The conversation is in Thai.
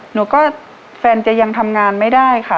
หนูก็แฟนจะยังทำงานไม่ได้ค่ะ